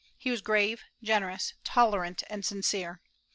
He was grave, generous, tolerant, and sincere.